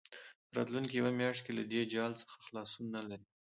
په راتلونکې یوه میاشت کې له دې جال څخه خلاصون نه لري.